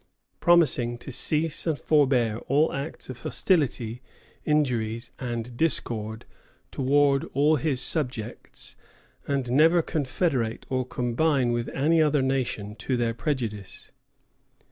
promising to "cease and forbear all acts of hostility, injuries, and discord towards all his subjects, and never confederate or combine with any other nation to their prejudice."